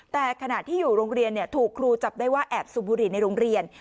แต่ขณะที่อยู่โรงเรียนถูกครูจับได้ว่าแอบสูบบุหรี่ในโรงเรียน